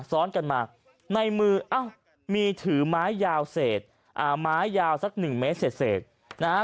ซ้อนกันมาในมืออ้าวมีถือไม้ยาวเศษอ่าไม้ยาวสักหนึ่งเมตรเศษนะฮะ